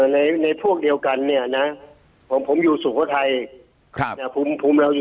ในพวกเดียวกันของผมอยู่สุขทาย